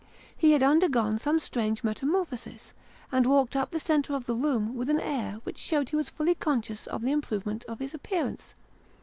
He had undergone some strange metamorphosis, and walked up the centre of the room with an air which showed he was fully conscious of the improvement in his appearance.